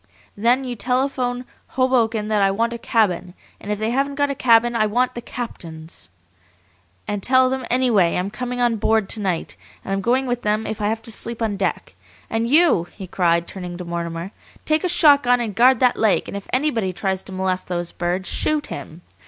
Then you telephone Hoboken that I want a cabin, and if they haven't got a cabin I want the captain's. And tell them anyway I'm coming on board to night, and I'm going with them if I have to sleep on deck. And YOU," he cried, turning to Mortimer, "take a shotgun and guard that lake, and if anybody tries to molest those birds shoot him!